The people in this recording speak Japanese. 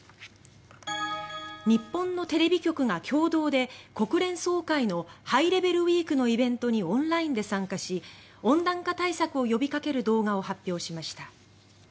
日本のテレビ局が共同で国連総会のハイレベルウィークのイベントにオンラインで参加し温暖化対策を呼びかける動画を発表しました。